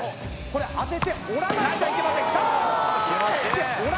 これ当てて折らなくちゃいけませんきたー！